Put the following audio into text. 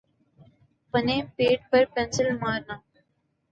پنے پیٹ پر پنسل مارنا